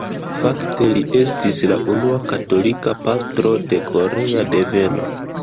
Fakte li estis la unua katolika pastro de korea deveno.